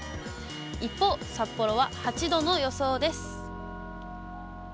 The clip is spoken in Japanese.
一方、札幌は８度の予想です。